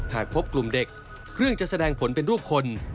หากพบกลุ่มเด็กเครื่องจะแสดงผลเป็นรูปคน